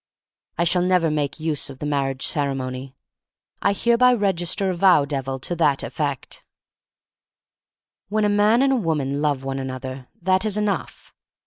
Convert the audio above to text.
I shall never make use of the mar riage ceremony. I hereby register a vow. Devil, to that effect. THE STORY OF MARY MAC LANE 73 When a man and a woman love one another that is enough.